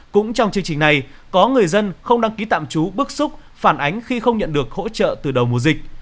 cũng trong chương trình này có người dân không đăng ký tạm trú bức xúc phản ánh khi không nhận được hỗ trợ từ đầu mùa dịch